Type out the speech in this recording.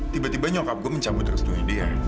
tiba tiba nyokap gue mencabut terus duit dia